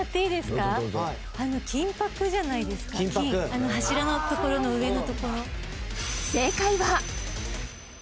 あの柱の所の上の所。